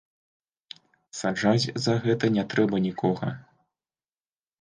Саджаць за гэта не трэба нікога.